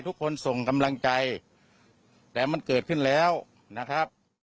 ส่งกำลังใจแต่มันเกิดขึ้นแล้วนะครับ